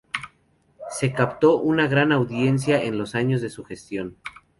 Se captó una gran audiencia en los años de su gestión.